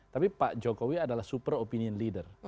tapi pak jokowi adalah super opinion leader